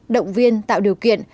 động viên tạo điều kiện